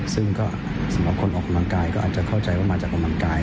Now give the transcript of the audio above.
ซึ่งก็สำหรับคนออกกำลังกายก็อาจจะเข้าใจว่ามาจากออกกำลังกาย